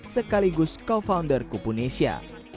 sekaligus co founder kupunesia